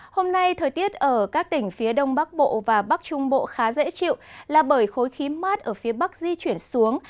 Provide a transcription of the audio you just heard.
hôm nay thời tiết ở các tỉnh phía đông bắc bộ và bắc trung bộ khá dễ chịu là bởi khối khí mát ở phía bắc di chuyển xuống